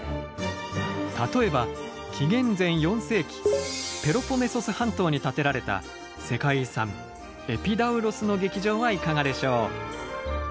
例えば紀元前４世紀ペロポネソス半島に建てられた世界遺産エピダウロスの劇場はいかがでしょう？